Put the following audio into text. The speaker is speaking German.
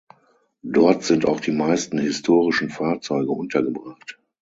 Dort sind auch die meisten historischen Fahrzeuge untergebracht.